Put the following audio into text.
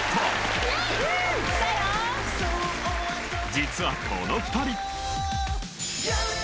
［実はこの２人］